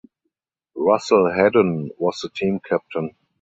Russell Hedden was the team captain.